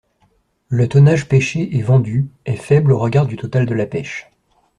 Le tonnage pêché et vendu est faible au regard du total de la pêche.